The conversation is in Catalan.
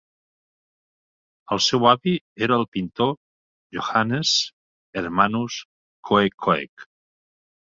El seu avi era el pintor Johannes Hermanus Koekkoek.